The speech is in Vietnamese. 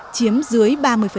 chiếm dưới ba mươi